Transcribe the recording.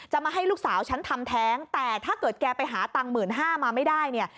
มาให้ลูกสาวฉันทำแท้งแต่ถ้าเกิดแกไปหาตังค์๑๕๐๐มาไม่ได้เนี่ย